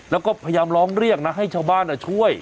แล้วก็พยายามร้องเรียกนะให้ชาวบ้านช่วย